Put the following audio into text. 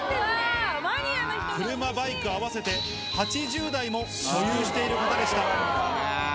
車、バイク合わせて８０台も所有している方でした。